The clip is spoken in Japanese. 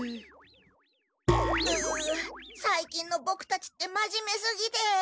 うう最近のボクたちってまじめすぎて。